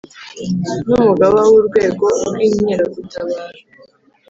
N’ umugaba w ‘urwego rw’ Inkeragutabara